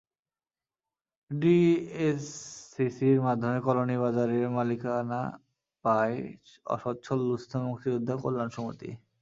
ডিএসসিসির মাধ্যমে কলোনি বাজারের মালিকানা পায় অসচ্ছল দুস্থ মুক্তিযোদ্ধা কল্যাণ সমিতি।